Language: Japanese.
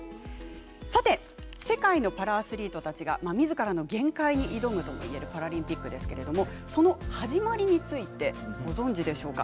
世界のパラアスリートたちがみずからの限界に挑むといえるパラリンピックですけれどもその始まりについてご存じでしょうか。